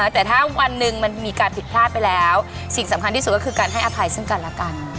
แต่ถ้าวันหนึ่งมันมีการผิดพลาดไปแล้วสิ่งสำคัญที่สุดก็คือการให้อภัยซึ่งกันและกัน